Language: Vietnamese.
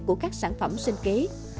các sản phẩm sinh kế